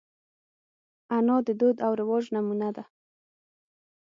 انا د دود او رواج نمونه ده